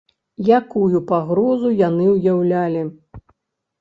Якую пагрозу яны ўяўлялі?